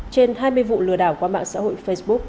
trên hai mươi vụ lừa đảo qua mạng xã hội facebook